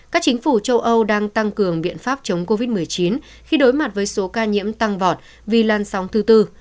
các chính phủ châu âu đang tăng cường biện pháp chống covid một mươi chín khi đối mặt với số ca nhiễm tăng vọt vì lan sóng thứ tư